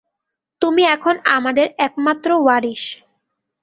তুমি এখন আমাদের একমাত্র ওয়ারিস।